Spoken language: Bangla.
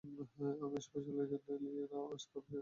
আমি স্পেশাল এজেন্ট ইলিয়না স্কট।